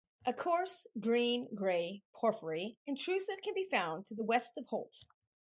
A coarse green grey porphyry intrusive can be found to the west of Holt.